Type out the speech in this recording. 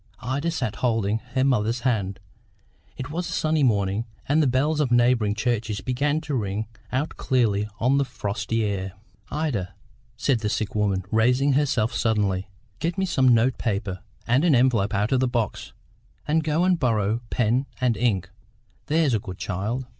Ida sat holding her mother's hand. It was a sunny morning, and the bells of neighbouring churches began to ring out clearly on the frosty air. "Ida," said the sick woman, raising herself suddenly, "get me some note paper and an envelope out of the box; and go and borrow pen and ink, there's a good child."